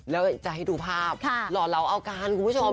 แล้วจะให้ดูภาพหล่อเหลาเอาการคุณผู้ชม